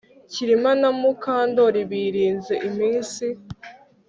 Kirima na Mukandoli birinze iminsi